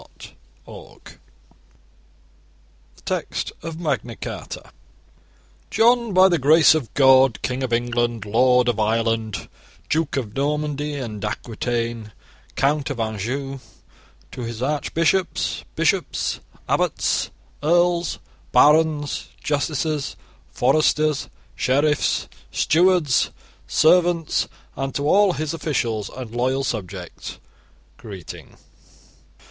The Text of Magna Carta JOHN, by the grace of God King of England, Lord of Ireland, Duke of Normandy and Aquitaine, and Count of Anjou, to his archbishops, bishops, abbots, earls, barons, justices, foresters, sheriffs, stewards, servants, and to all his officials and loyal subjects, Greeting.